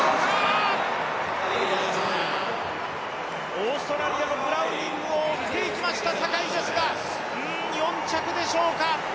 オーストラリアのブラウニングを追っていました坂井選手、４着でしょうか。